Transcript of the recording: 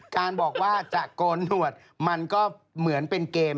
การบอกว่าจะโกนหนวดมันก็เหมือนเป็นเกม